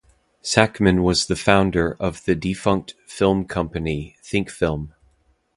Sackman was the founder of the defunct film company thinkfilm.